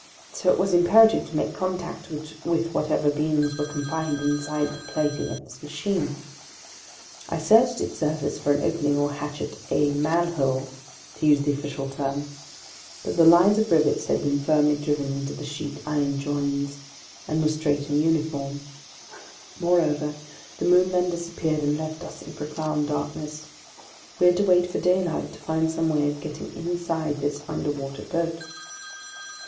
So it was imperative to make contact with whatever beings were confined inside the plating of this machine. I searched its surface for an opening or a hatch, a "manhole," to use the official term; but the lines of rivets had been firmly driven into the sheet iron joins and were straight and uniform. Moreover, the moon then disappeared and left us in profound darkness. We had to wait for daylight to find some way of getting inside this underwater boat.